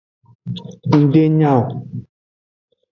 Ng de nya o.